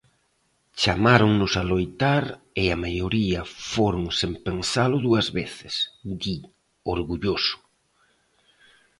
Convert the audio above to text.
"Chamáronos a loitar e a maioría foron sen pensalo dúas veces", di, orgulloso.